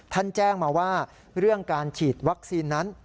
แจ้งมาว่าเรื่องการฉีดวัคซีนนั้น